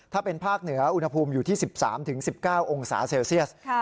ถ้าเป็นภาคเหนืออุณหภูมิอยู่ที่๑๓๑๙องศาเซลเซียส